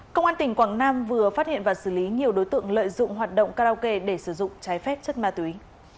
công an tỉnh quảng nam vừa phát hiện và xử lý nhiều đối tượng lợi dụng hoạt động karaoke để sử dụng trái phép chất ma túy